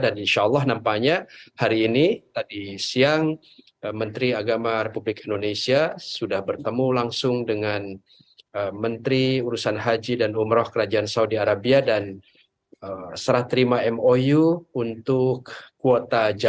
dan insya allah nampaknya hari ini tadi siang menteri agama republik indonesia sudah bertemu langsung dengan menteri urusan haji dan umroh kerajaan saudi arabia dan serah terima mou untuk kuota